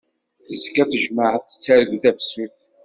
Tezga tejmaɛt tettargu tafsut.